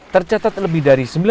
tercatat lebih dari